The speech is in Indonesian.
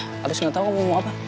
habis gak tau kamu mau apa